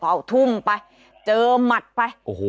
เอาทุ่มไปเจอหมัดไป